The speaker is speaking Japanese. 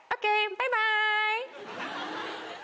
バイバイ！